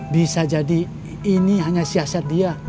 bisa jadi ini hanya siasat dia